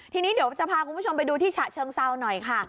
ทีนี้เดี๋ยวจะพาคุณผู้ชมไปดูที่ฉะเชิงเซาหน่อยค่ะ